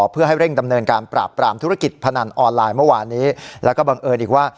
เพื่อให้เร่งดำเนินการปราบปรามธุรกิจพนันออนไลน์เมื่อวานนี้แล้วก็บังเอิญอีกว่า